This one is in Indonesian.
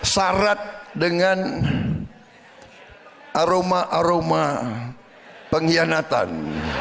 syarat dengan aroma aroma pengkhianatan